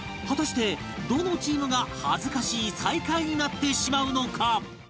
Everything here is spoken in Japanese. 果たしてどのチームが恥ずかしい最下位になってしまうのか？